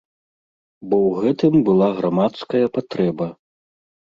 Бо ў гэтым была грамадская патрэба.